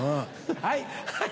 はい！